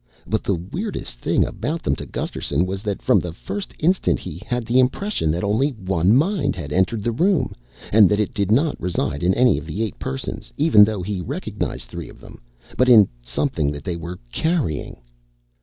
But the weirdest thing about them to Gusterson was that from the first instant he had the impression that only one mind had entered the room and that it did not reside in any of the eight persons, even though he recognized three of them, but in something that they were carrying.